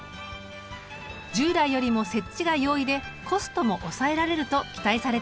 従来よりも設置が容易でコストも抑えられると期待されています。